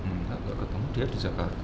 minta gak ketemu dia di jakarta